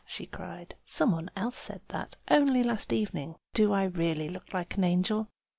she cried. "Some one else said that, only last evening. Do I really look like an angel?"